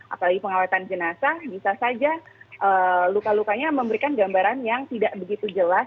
apalagi pengawetan jenazah bisa saja luka lukanya memberikan gambaran yang tidak begitu jelas